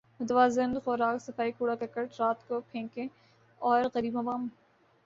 متوازن خوراک صفائی کوڑا کرکٹ رات کو پھینکیں اور غریب عوام